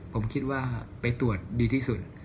ผมคิดว่าไปตรวจดีที่สุด